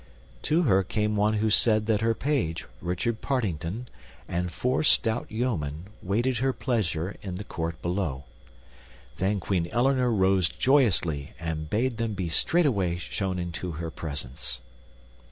To her came one who said that her page, Richard Partington, and four stout yeomen waited her pleasure in the court below. Then Queen Eleanor arose joyously and bade them be straightway shown into her presence.